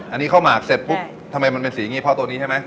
อันนี้ข้าวหมากเสร็จปุ๊บทำไมมันเป็นสีอย่างนี้เพราะตัวนี้ใช่ไหม